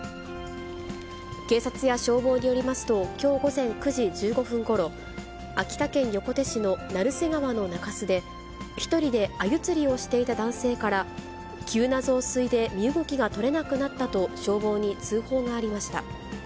警察や消防によりますと、きょう午前９時１５分ごろ、秋田県横手市の成瀬川の中州で、１人でアユ釣りをしていた男性から、急な増水で身動きが取れなくなったと消防に通報がありました。